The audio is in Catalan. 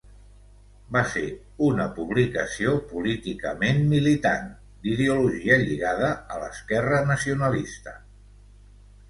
Va ser una publicació políticament militant, d'ideologia lligada a l'esquerra nacionalista.